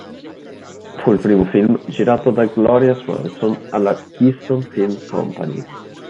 Fu il primo film girato da Gloria Swanson alla Keystone Film Company.